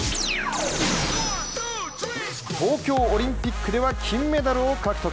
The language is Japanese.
東京オリンピックでは金メダルを獲得。